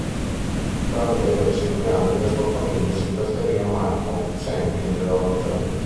Quando aveva cinque anni la sua famiglia si trasferì a Macon, sempre in Georgia.